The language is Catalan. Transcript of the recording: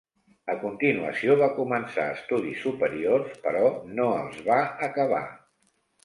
A continuació va començar estudis superiors, però no els va acabar.